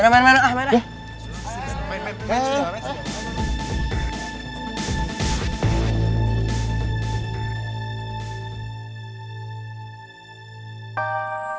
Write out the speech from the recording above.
main main ah main main